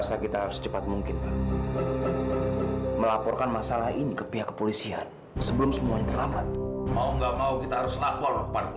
sampai jumpa di video selanjutnya